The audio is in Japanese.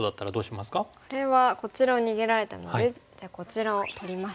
これはこちらを逃げられたのでじゃあこちらを取ります。